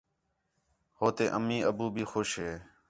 ہو تے امّی، ابّو بھی خوش ہِے